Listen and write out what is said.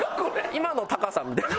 今の貴さんみたいな。